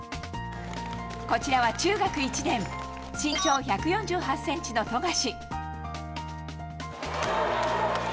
こちらは中学１年身長１４８ｃｍの富樫。